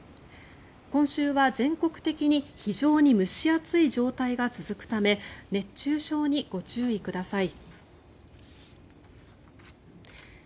今週は全国的に非常に蒸し暑い状態が続くため熱中症にご注意ください。